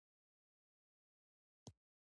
رس د ژبې خوږوالی زیاتوي